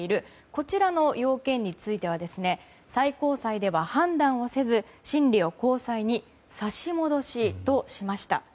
こちらの要件については最高裁では判断をせず、審理を高裁に差し戻しとしました。